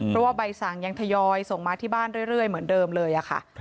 เพราะว่าใบสั่งยังทยอยส่งมาที่บ้านเรื่อยเหมือนเดิมเลยค่ะ